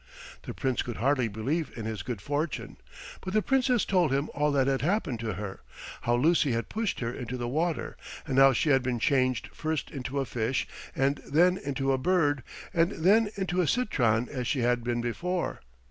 The Prince could hardly believe in his good fortune. But the Princess told him all that had happened to her how Lucy had pushed her into the water, and how she had been changed first into a fish, and then into a bird, and then into a citron as she had been before.